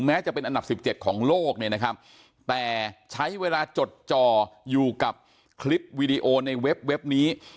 แม้จะเป็นอันดับ๑๗ของโลกเนี่ยนะครับแต่ใช้เวลาจดจออยู่กับคลิปวีดีโอในเว็บนี้